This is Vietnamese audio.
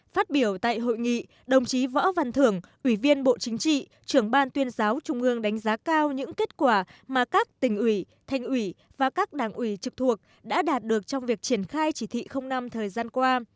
phát biểu tại hội nghị đồng chí võ văn thưởng ủy viên bộ chính trị trưởng ban tuyên giáo trung ương đánh giá cao những kết quả mà các tỉnh ủy thành ủy và các đảng ủy trực thuộc đã đạt được trong việc triển khai chỉ thị năm thời gian qua